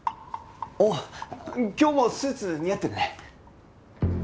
おっ今日もスーツ似合ってるね。